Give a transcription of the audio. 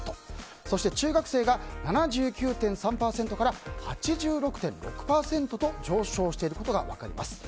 そして中学生が７９．３％から８６．６％と上昇していることが分かります。